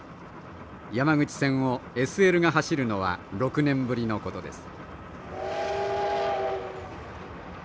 山口線をＳＬが走るのは６年ぶりのことです。